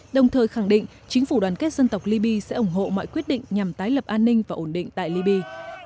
đồng thời khẳng định chính phủ đoàn kết dân tộc libya sẽ ủng hộ mọi quyết định nhằm tái lập an ninh và ổn định tại libya